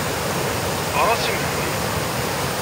Ɣeṛ-as i Mhenni.